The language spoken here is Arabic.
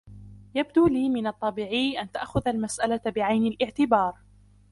يبدو لي من الطبيعي أن تأخذ المسألة بعين الإعتبار